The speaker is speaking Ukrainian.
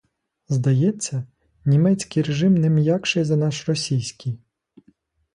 Здається, німецький режим не м'якший за наш російський?